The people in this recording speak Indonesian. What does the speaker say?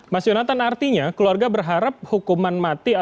mas yonatan artinya keluarga berharap hukuman mati